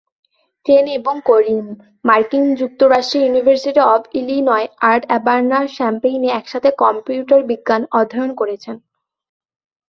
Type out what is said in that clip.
Chain এবং করিম মার্কিন যুক্তরাষ্ট্রের ইউনিভার্সিটি অব ইলিনয় অ্যাট আর্বানা-শ্যাম্পেইন-এ একসাথে কম্পিউটার বিজ্ঞান অধ্যয়ন করেছেন।